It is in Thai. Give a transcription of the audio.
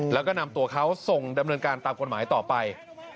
แล้วก็นำตัวเขาส่งดำเนินการตามกฎหมายต่อไป